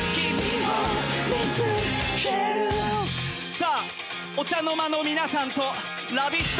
さあ、お茶の間の皆さんとラヴィット！